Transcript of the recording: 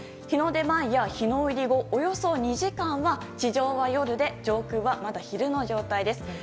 日の出前や日の入り後およそ２時間は地上は夜で上空はまだ昼の状態です。